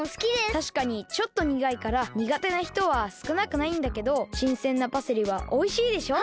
たしかにちょっとにがいからにがてなひとはすくなくないんだけどしんせんなパセリはおいしいでしょ？